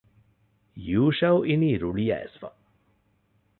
ޔޫޝައު އިނީ ރުޅިއައިސްފަ